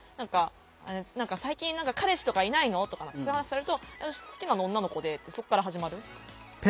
「最近彼氏とかいないの？」とかそういう話されると「私好きなの女の子で」ってそこから始まる。